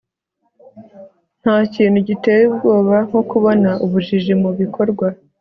nta kintu giteye ubwoba nko kubona ubujiji mu bikorwa